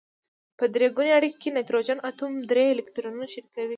په درې ګونې اړیکه کې نایتروجن اتوم درې الکترونونه شریکوي.